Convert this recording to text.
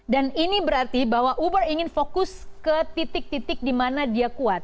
dan ini berarti bahwa uber ingin fokus ke titik titik di mana dia kuat